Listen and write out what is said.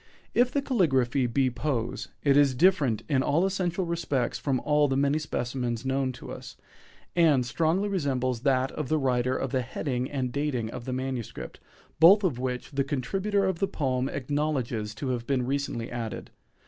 If the caligraphy be Poe's, it is different in all essential respects from all the many specimens known to us, and strongly resembles that of the writer of the heading and dating of the manuscript, both of which the contributor of the poem acknowledges to have been recently added.